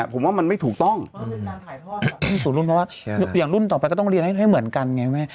ผมว่ามันไม่ถูกต้องต้องสู่รุ่นเพราะว่าอย่างรุ่นต่อไปก็ต้องเรียนให้เหมือนกันไงแม่